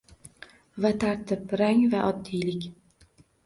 Va tartib, rang va oddiylik.